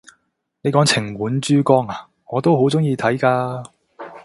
你講情滿珠江咓，我都好鍾意睇㗎！